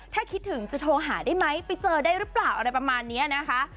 ถ้าคิดถึงจะโทรหาได้ไหมไปเจอได้หรือเปล่าอะไรประมาณนี้นะคะ